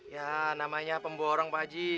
ya namanya pemborong pak haji